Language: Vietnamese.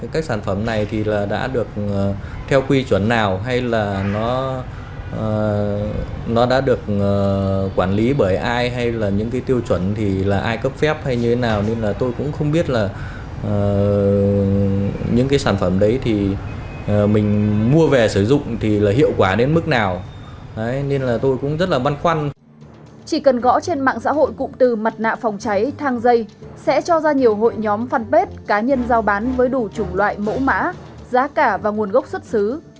chỉ cần gõ trên mạng xã hội cụm từ mặt nạ phòng trái thang dây sẽ cho ra nhiều hội nhóm phân pết cá nhân giao bán với đủ chủng loại mẫu mã giá cả và nguồn gốc xuất xứ